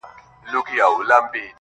ستا ټولي كيسې لوستې_